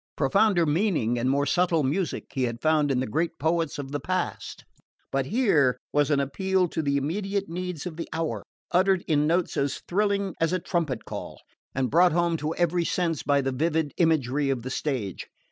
Profounder meaning and more subtle music he had found in the great poets of the past; but here was an appeal to the immediate needs of the hour, uttered in notes as thrilling as a trumpet call, and brought home to every sense by the vivid imagery of the stage.